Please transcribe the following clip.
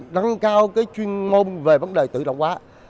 nâng cao chuyên ngôn về vấn đề tự động hóa